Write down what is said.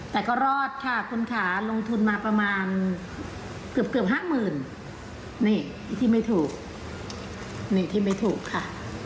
แต่ก็รอดค่ะคุณค่ะลงทุนมาประมาณเกือบเกือบห้าหมื่นนี่ที่ไม่ถูกนี่ที่ไม่ถูกค่ะ